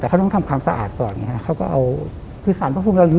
แต่เขาต้องทำความสะอาดต่อก่อน